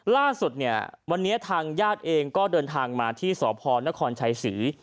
ล่าสุดเนี่ยวันนี้ทางญาติเองก็เดินทางมาที่สพนครชัยศรี